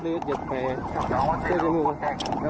เมื่อเวลาเมื่อเวลาเมื่อเวลาเมื่อเวลา